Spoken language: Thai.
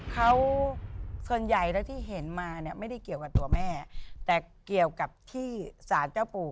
เขาส่วนใหญ่แล้วที่เห็นมาเนี่ยไม่ได้เกี่ยวกับตัวแม่แต่เกี่ยวกับที่สารเจ้าปู่